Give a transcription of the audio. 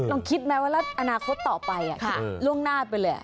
นองคิดไหมว่าอนาคตต่อไปล่วงหน้าไปเลย